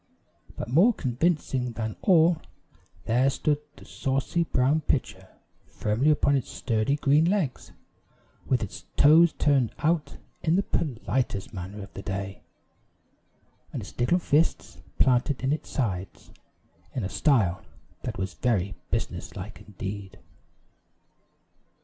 But more convincing than all, there stood the saucy brown pitcher firmly upon its sturdy green legs, with its toes turned out in the politest manner of the day, and its little fists planted in its sides in a style that was very business like indeed.